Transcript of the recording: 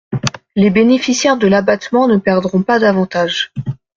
Les bénéficiaires de l’abattement ne perdront pas d’avantages.